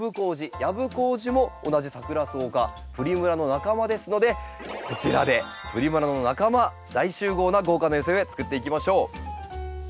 ヤブコウジも同じサクラソウ科プリムラの仲間ですのでこちらでプリムラの仲間大集合な豪華な寄せ植えつくっていきましょう。